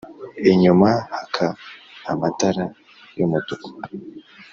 inyuma haka amatara y' umutuku